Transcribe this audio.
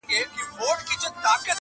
زه چي له خزان سره ژړېږم ته به نه ژاړې!.